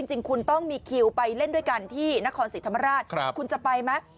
จริงคุณต้องมีคิวไปเล่นด้วยกันที่นครศรีธรรมราชคุณจะไปไหม